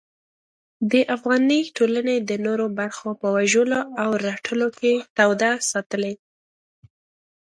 د افغاني ټولنې د نورو برخو په وژلو او رټلو کې توده ساتلې.